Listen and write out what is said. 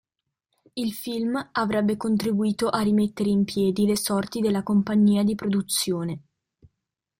Il film avrebbe contribuito a rimettere in piedi le sorti della compagnia di produzione.